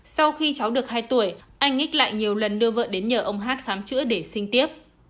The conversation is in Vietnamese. sau khi cháu được hai tuổi anh nhích lại nhiều lần đưa vợ đến nhờ ông hát khám chữa để sinh tiếp